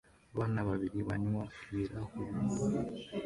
Abana babiri banywa ibirahuri